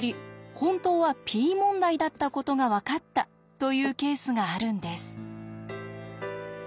本当はＰ問題だったことが分かったというケースがあるんです。